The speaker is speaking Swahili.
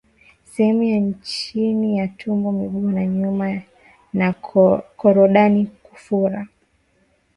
Sehemu ya chini ya tumbo miguu ya nyuma na korodani kufura